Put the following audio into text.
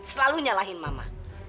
selalu nyalahin mama